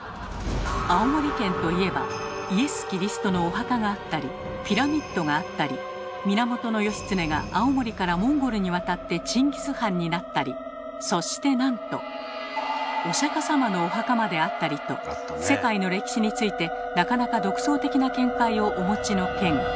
青森県といえばイエス・キリストのお墓があったりピラミッドがあったり源義経が青森からモンゴルに渡ってチンギスハンになったりそしてなんとお釈様のお墓まであったりと世界の歴史についてなかなか独創的な見解をお持ちの県。